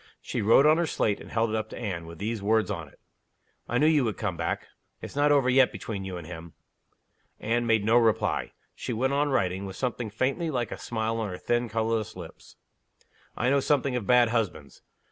She wrote on her slate, and held it up to Anne, with these words on it: "I knew you would come back. It's not over yet between you and him." Anne made no reply. She went on writing, with something faintly like a smile on her thin, colorless lips. "I know something of bad husbands.